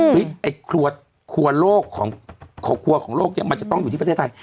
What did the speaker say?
ไอ้ครัวโลกของครัวของโลกเนี่ยมันจะต้องอยู่ที่ประเทศไทย